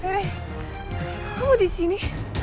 riri kamu di sini